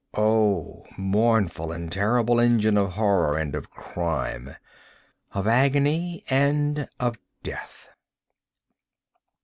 —oh, mournful and terrible engine of Horror and of Crime—of Agony and of Death!